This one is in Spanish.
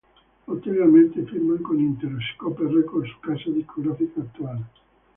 Posteriormente firman con Interscope Records, su casa discográfica actual.